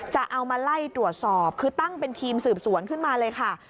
จะเอามาไล่ตรวจสอบคือตั้งเป็นทีมสืบสวนขึ้นมาเลยค่ะ